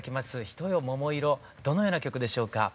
「一夜桃色」どのような曲でしょうか？